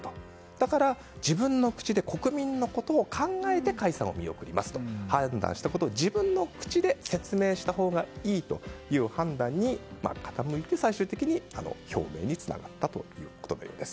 だから自分の口で国民のことを考えて解散を見送りますと判断したことを自分の口で説明したほうがいいという判断に傾いて、最終的に表明につながったということのようです。